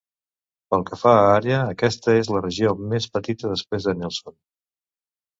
Pel que fa a àrea, aquesta és la regió més petita després de Nelson.